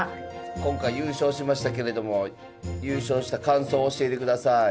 今回優勝しましたけれども優勝した感想を教えてください。